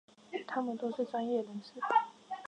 他們都是專業人士